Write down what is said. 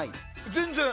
全然。